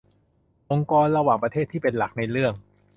องค์กรระหว่างประเทศที่เป็นหลักในเรื่อง